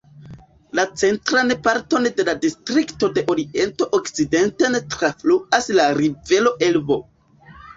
La centran parton de la distrikto de oriento okcidenten trafluas la rivero Elbo.